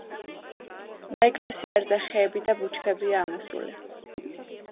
ნაეკლესიარზე ხეები და ბუჩქებია ამოსული.